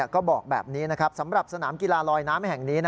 ก็บอกแบบนี้ธรรมสถานกีฬาลอยน้ำแห่งนี้